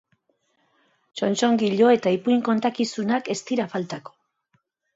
Txontxongilo eta ipuin kontakizunak ez dira faltako.